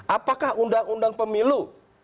apakah undang undang pemilu